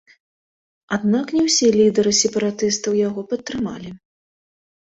Аднак не ўсе лідары сепаратыстаў яго падтрымалі.